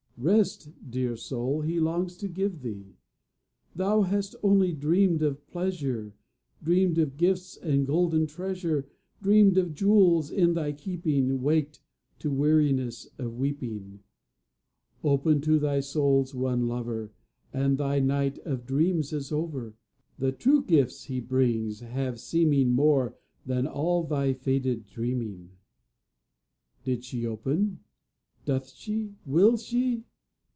Rest, dear soul, He longs to give thee; Thou hast only dreamed of pleasure, Dreamed of gifts and golden treasure, Dreamed of jewels in thy keeping, Waked to weariness of weeping; Open to thy soul's one Lover, And thy night of dreams is over, The true gifts He brings have seeming More than all thy faded dreaming! Did she open? Doth she? Will she?